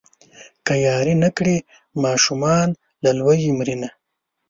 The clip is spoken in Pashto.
که ياري نه کړي ماشومان له لوږې مرينه.